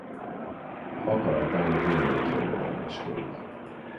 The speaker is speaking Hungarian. Akaratának mindenki engedelmeskedik.